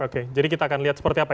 oke jadi kita akan lihat seperti apa